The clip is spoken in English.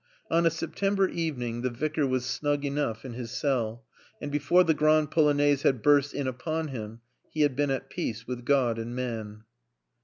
On a September evening the Vicar was snug enough in his cell; and before the Grande Polonaise had burst in upon him he had been at peace with God and man.